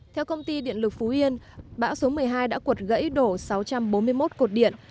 theo công ty điện lực phú yên bão số một mươi hai đã cuột gãy đổ sáu trăm bốn mươi một cột điện